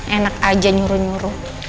enak aja nyuruh nyuruh